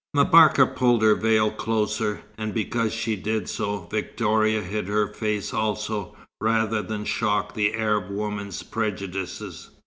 M'Barka pulled her veil closer, and because she did so, Victoria hid her face also, rather than shock the Arab woman's prejudices.